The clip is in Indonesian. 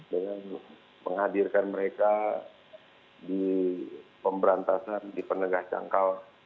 dengan menghadirkan mereka di pemberantasan di penegah cangkal